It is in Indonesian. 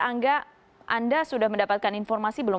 angga anda sudah mendapatkan informasi belum